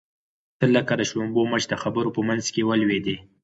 ته لکه د شړومبو مچ د خبرو په منځ کې ولوېدې.